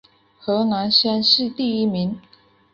河南乡试第一名。